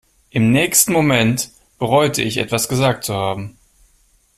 Im nächsten Moment bereute ich, etwas gesagt zu haben.